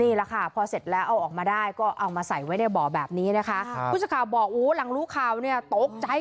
นี่แหละค่ะพอเสร็จแล้วเอาออกมาได้ก็เอามาใส่ไว้ในบ่อแบบนี้นะคะ